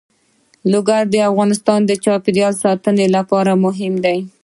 لوگر د افغانستان د چاپیریال ساتنې لپاره مهم دي.